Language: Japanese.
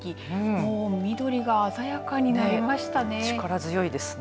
もう緑が鮮やかになりましたね。